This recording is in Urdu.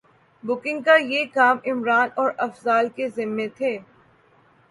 بکنگ کا یہ کام عمران اور افضال کے ذمے تھے